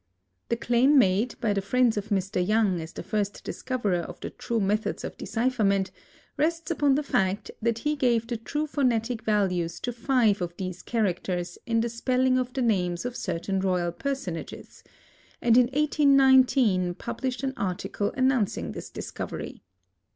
The claim made by the friends of Mr. Young as the first discoverer of the true methods of decipherment, rests upon the fact that he gave the true phonetic values to five of these characters in the spelling of the names of certain royal personages, and in 1819 published an article announcing this discovery.